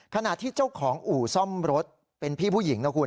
ขณะที่เจ้าของอู่ซ่อมรถเป็นพี่ผู้หญิงนะคุณ